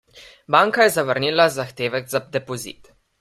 Banka je zavrnila zahtevek za depozit.